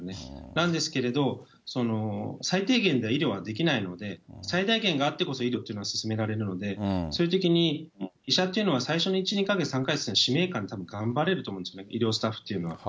なんですけれど、最低限では医療はできないので、最大限があってこそ、医療というのは、進められるので、そういうときに医者というのは最初の１、２か月、３か月は使命感でたぶん頑張れると思うんです、医療スタッフというのは。